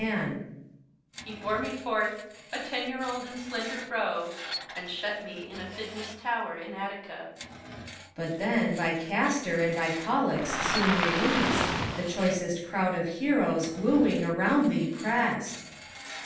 HELENA. He bore me forth, a ten year old and slender roe, And shut me in Aphidnus' tower, in Attica. PHORKYAS. But then, by Castor and by Pollux soon released, The choicest crowd of heroes, wooing, round thee pressed.